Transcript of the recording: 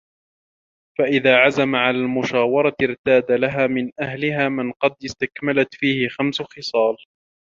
فَإِذَا عَزَمَ عَلَى الْمُشَاوَرَةِ ارْتَادَ لَهَا مِنْ أَهْلِهَا مَنْ قَدْ اسْتَكْمَلَتْ فِيهِ خَمْسُ خِصَالٍ